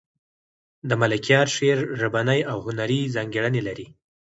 د ملکیار شعر ژبنۍ او هنري ځانګړنې لري.